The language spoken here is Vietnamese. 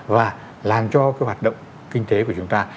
và làm cho cái hoạt động kinh tế của chúng ta